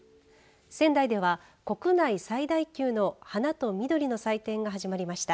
仙台では国内最大級の花と緑の祭典が始まりました。